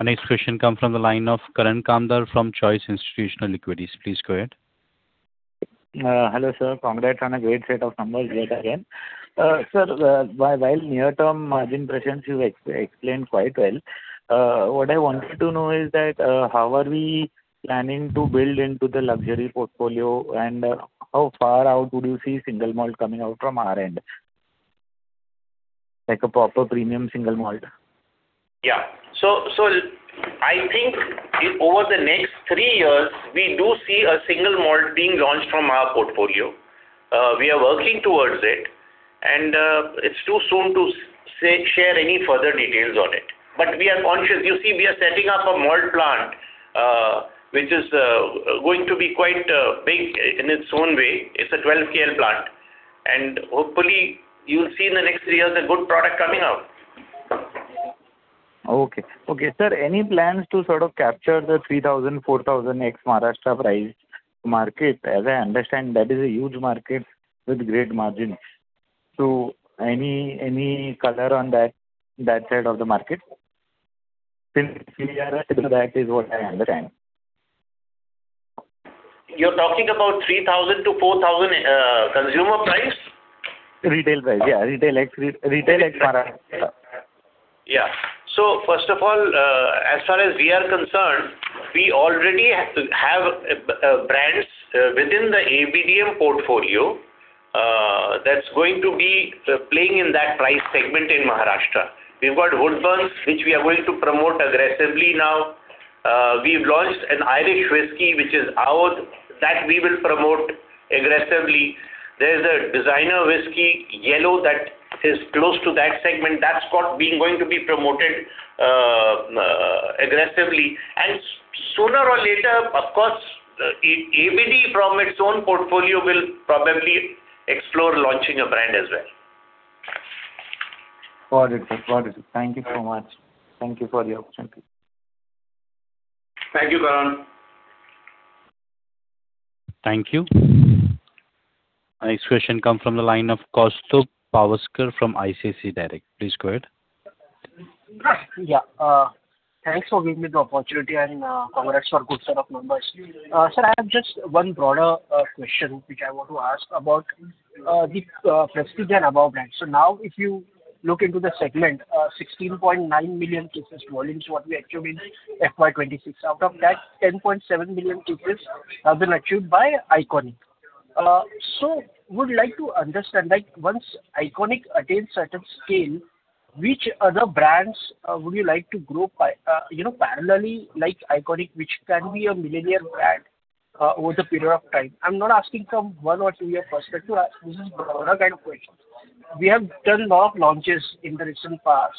Our next question comes from the line of Karan Kamdar from Choice Institutional Equities. Please go ahead. Hello sir. Congrats on a great set of numbers yet again. Sir, while near-term margin pressures you explained quite well, what I wanted to know is that, how are we planning to build into the luxury portfolio, and how far out would you see single malt coming out from our end? Like a proper premium single malt. Yeah. I think over the next three years, we do see a single malt being launched from our portfolio. We are working towards it, and it's too soon to share any further details on it. We are conscious. You see, we are setting up a malt plant, which is going to be quite big in its own way. It's a 12 KL plant. Hopefully, you will see in the next three years a good product coming out. Okay. Okay. Sir, any plans to sort of capture the 3,000, 4,000 ex-Maharashtra price market? As I understand, that is a huge market with great margins. Any color on that side of the market? Since we are at it, that is what I understand. You're talking about 3,000-4,000 consumer price? Retail price. Yeah, retail ex-Maharashtra. Yeah. First of all, as far as we are concerned, we already have brands within the ABDM portfolio that's going to be playing in that price segment in Maharashtra. We've got Woodburns, which we are going to promote aggressively now. We've launched an Irish whisky, which is out, that we will promote aggressively. There's a designer whisky, YELLO, that is close to that segment. That's what we're going to be promoted aggressively. Sooner or later, of course, ABD from its own portfolio will probably explore launching a brand as well. Got it, sir. Got it. Thank you so much. Thank you for the opportunity. Thank you, Karan. Thank you. Our next question comes from the line of Kaustubh Pawaskar from ICICI Direct. Please go ahead. Yeah. Thanks for giving me the opportunity and, congrats for good set of numbers. Sir, I have just 1 broader question which I want to ask about the Prestige & Above brands. Now if you look into the segment, 16.9 million cases volume is what we achieve in FY 2026. Out of that, 10.7 million cases have been achieved by ICONiQ. Would like to understand, like once ICONiQ attains certain scale, which other brands would you like to grow by, you know, parallelly like ICONiQ, which can be a millionaire brand over the period of time? I'm not asking from one- or two-year perspective. This is broader kind of question. We have done lot of launches in the recent past.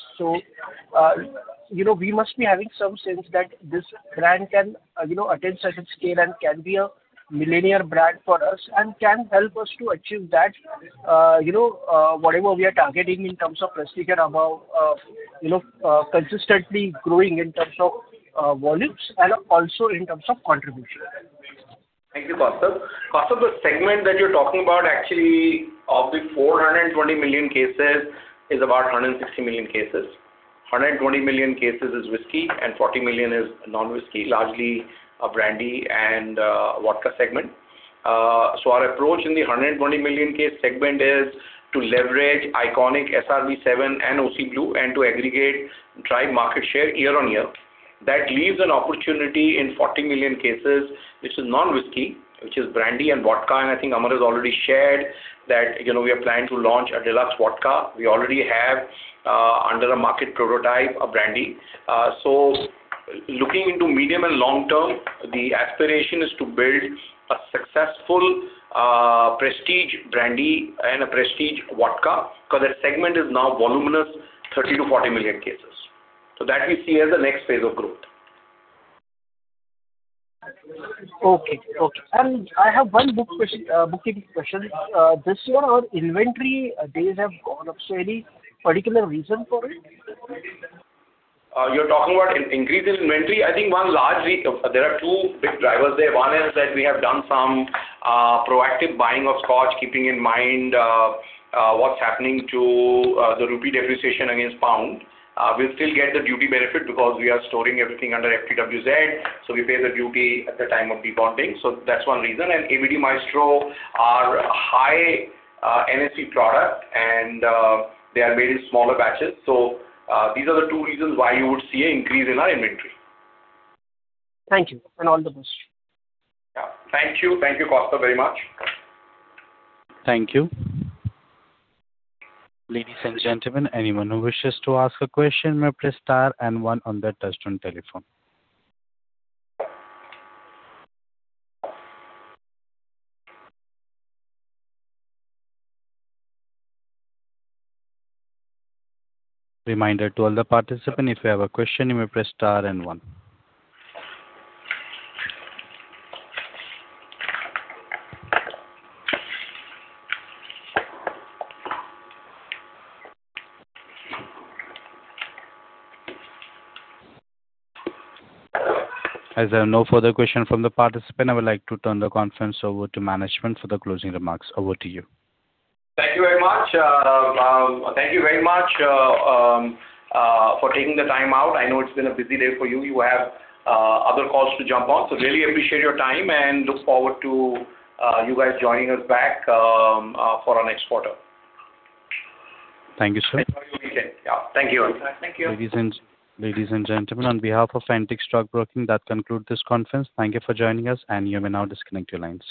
You know, we must be having some sense that this brand can, you know, attain certain scale and can be a millionaire brand for us and can help us to achieve that, you know, whatever we are targeting in terms of Prestige & Above, you know, consistently growing in terms of volumes and also in terms of contribution. Thank you, Kaustubh. Kaustubh, the segment that you're talking about actually of the 420 million cases is about 160 million cases. 120 million cases is whisky and 40 million is non-whisky, largely brandy and vodka segment. Our approach in the 120 million case segment is to leverage ICONiQ, SR B7 and OC Blue and to aggregate drive market share year-on-year. That leaves an opportunity in 40 million cases, which is non-whisky, which is brandy and vodka. I think Amar has already shared that, you know, we are planning to launch a deluxe vodka. We already have under a market prototype, a brandy. Looking into medium and long term, the aspiration is to build a successful prestige brandy and a prestige vodka because that segment is now voluminous 30 million-40 million cases. That we see as the next phase of growth. Okay. Okay. I have one bookkeeping question. This year our inventory days have gone up. Any particular reason for it? You're talking about increase in inventory. I think one largely there are two big drivers there. One is that we have done some proactive buying of Scotch, keeping in mind what's happening to the rupee depreciation against pound. We'll still get the duty benefit because we are storing everything under FTWZ, so we pay the duty at the time of debonding. That's one reason. ABD Maestro are high ASP product, and they are made in smaller batches. These are the two reasons why you would see an increase in our inventory. Thank you and all the best. Yeah. Thank you. Thank you, Kaustubh, very much. Thank you. Ladies and gentlemen, anyone who wishes to ask a question may press star and one on their touchtone telephone. Reminder to all the participant, if you have a question, you may press star and one. As there are no further question from the participant, I would like to turn the conference over to management for the closing remarks. Over to you. Thank you very much. Thank you very much for taking the time out. I know it has been a busy day for you. You have other calls to jump on. Really appreciate your time and look forward to you guys joining us back for our next quarter. Thank you, sir. Enjoy your weekend. Yeah. Thank you. Thank you. Ladies and gentlemen, on behalf of Antique Stock Broking, that concludes this conference. Thank you for joining us, and you may now disconnect your lines.